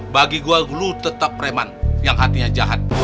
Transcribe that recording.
bagi gue dulu tetap preman yang hatinya jahat